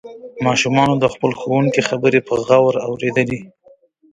ماشومانو د خپل ښوونکي خبرې په غور اوریدلې.